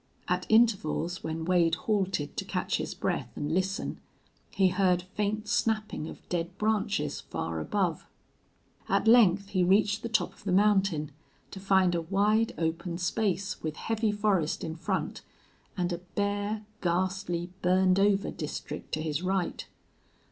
At intervals, when Wade halted to catch his breath and listen, he heard faint snapping of dead branches far above. At length he reached the top of the mountain, to find a wide, open space, with heavy forest in front, and a bare, ghastly, burned over district to his right.